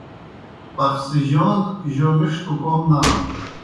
پَخڅِیون جو مِݜٹوْ کوْم نانوْ۔